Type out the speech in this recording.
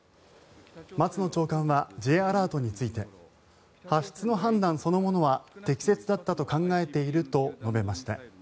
松野長官はＪアラートについて発出の判断そのものは適切だったと考えていると述べました。